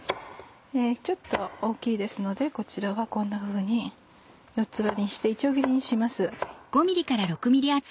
ちょっと大きいですのでこちらはこんなふうに四つ割りにしていちょう切りにします。